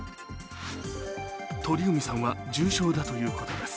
鳥海さんは重傷だということです。